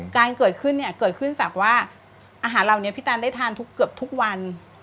การเกิดขึ้นเนี่ยเกิดขึ้นจากว่าอาหารเหล่านี้พี่แตนได้ทานทุกเกือบทุกวัน